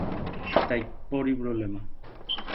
Ndaipóri problema.